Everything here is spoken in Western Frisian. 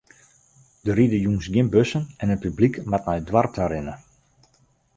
Der ride jûns gjin bussen en it publyk moat nei it doarp ta rinne.